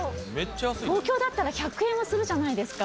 東京だったら１００円はするじゃないですか。